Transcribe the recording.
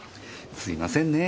すいませんね